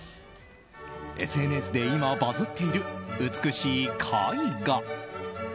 ＳＮＳで今バズっている美しい絵画。